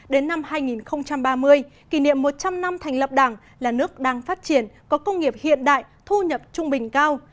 đến năm hai nghìn ba mươi kỷ niệm một trăm linh năm thành lập đảng là nước đang phát triển có công nghiệp hiện đại thu nhập trung bình cao